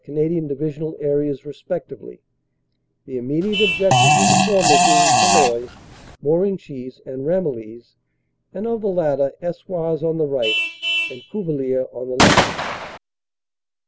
Canadian Divisional areas respectively, the im mediate objectives of the former being Tilloy, Morenchies and Ramillies, and of the latter Eswars on the right and Cuvillers on the left.